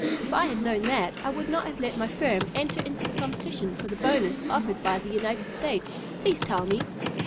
If I had known that I would not have let my firm enter into the competition for the bonus offered by the United States. Please tell me."